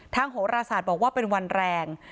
โหราศาสตร์บอกว่าเป็นวันแรง